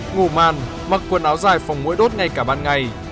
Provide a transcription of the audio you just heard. ngủ màn mặc quần áo dài phòng mũi đốt ngay cả ban ngày